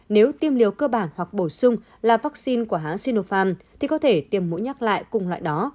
nếu tiêm liều cơ bản hoặc bổ sung là vaccine của hán sinopharm thì có thể tiêm mũi nhắc lại cùng loại đó